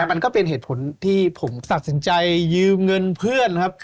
แต่มันก็เป็นเหตุผลที่ผมตัดสินใจยืมเงินเพื่อนครับ